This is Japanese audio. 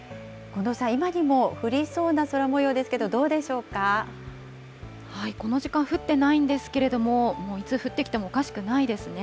近藤さん、今にも降りそうな空もこの時間、降ってないんですけれども、もういつ降ってきてもおかしくないですね。